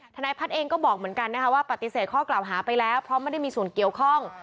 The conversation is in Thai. นายพัฒน์เองก็บอกเหมือนกันนะคะว่าปฏิเสธข้อกล่าวหาไปแล้วเพราะไม่ได้มีส่วนเกี่ยวข้อง